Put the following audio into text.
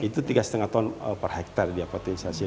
itu tiga lima ton per hektare dia potensiasi